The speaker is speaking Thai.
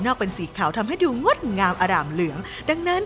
นี่มันร้อนจังเลยนะ